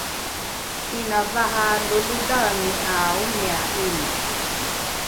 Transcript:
’ina vaha lolodhaeni ’a omia ’ina